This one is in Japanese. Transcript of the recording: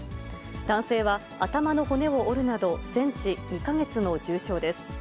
男性は頭の骨を折るなど、全治２か月の重傷です。